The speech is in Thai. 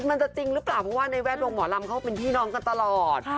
มันจะจริงหรือเปล่าเพราะว่าในแวดวงหมอลำเขาเป็นพี่น้องกันตลอด